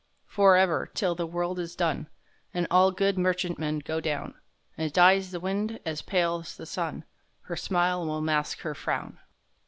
For ever, 'till the world is done, And all good merchantmen go down, And dies the wind, as pales the sun, Her smile will mask her frown.